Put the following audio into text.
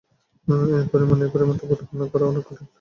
এই পরিমাণ তাপ উৎপন্ন করা অনেক কঠিন।